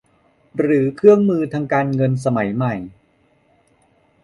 หรือเครื่องมือทางการเงินสมัยใหม่